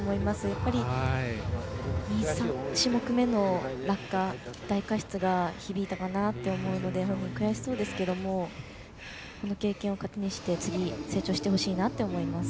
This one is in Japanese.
やっぱり２３種目めの落下大過失が響いたかなと思うので本人、悔しそうですけどこの経験を糧にして次成長してほしいなと思います。